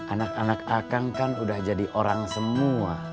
anak anak akang kan udah jadi orang semua